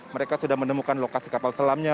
mereka sudah menemukan lokasi kapal selamnya